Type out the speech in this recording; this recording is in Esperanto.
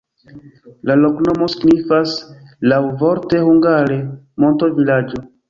La loknomo signifas laŭvorte hungare: monto-vilaĝo.